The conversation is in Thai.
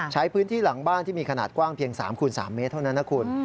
ใช้พื้นที่หลังบ้านที่มีขนาดกว้างเพียง๓คูณ๓เมตรเท่านั้นนะคุณ